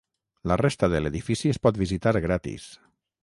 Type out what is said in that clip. La resta de l'edifici es pot visitar gratis.